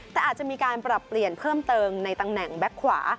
แต่อาจจะมีการปรับเปลี่ยนเพิ่มเติมในตำแหน่งแบ็คขวา